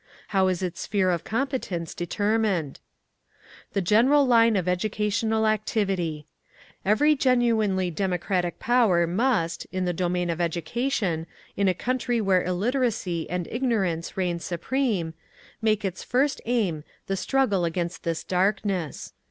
How is its sphere of competence determined? The General Line of Educational Activity: Every genuinely democratic power must, in the domain of education, in a country where illiteracy and ignorance reign supreme, make its first aim the struggle against this darkness.